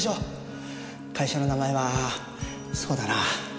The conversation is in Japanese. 会社の名前はそうだな